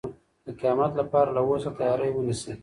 د قیامت لپاره له اوسه تیاری ونیسئ.